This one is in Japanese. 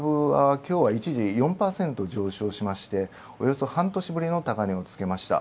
一時、４％上昇しましておよそ半年ぶりの高値をつけました。